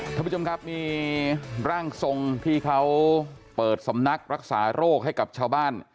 ท่านผู้ชมครับมีร่างทรงที่เขาเปิดสำนักรักษาโรคให้กับชาวบ้าน